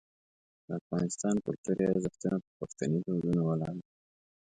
د افغانستان کلتوري ارزښتونه په پښتني دودونو ولاړ دي.